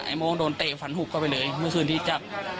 โมงโดนเตะฝันหุบเข้าไปเลยเมื่อคืนที่จับ